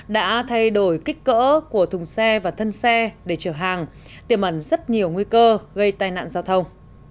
đã thay đổi kích cỡ của thùng xe và thân xe để chở hàng tiềm ẩn rất nhiều nguy cơ gây tai nạn giao thông